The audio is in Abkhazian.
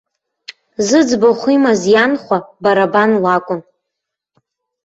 Зыӡбахә имаз ианхәа, бара бан лакәын.